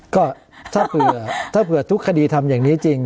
ก็ถ้าเผื่อทุกคดีทำอย่างนี้จริง